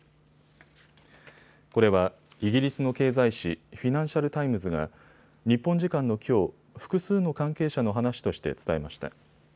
これはイギリスの経済紙、フィナンシャル・タイムズが日本時間のきょう、複数の関係者の話として伝えました。